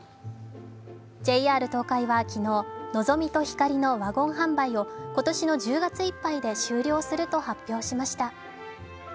ＪＲ東海は昨日、のぞみとひかりのワゴン販売を今年の１０月いっぱいで終了すると発表しました。